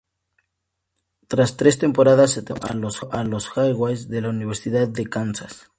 Tras tres temporadas, se transfirió a los "Jayhawks" de la Universidad de Kansas.